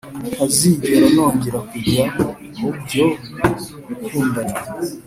ntazigera nongera kujya mubyo gukundana